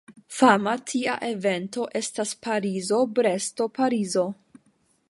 Fama tia evento estas Parizo-Bresto-Parizo.